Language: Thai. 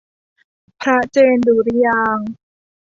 พระเจนดุริยางค์